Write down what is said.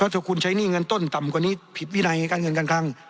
ถ้าคุณใช้หนี้เงินต้นต่ำกว่านี้ผิดวินัยการเงินการคลัง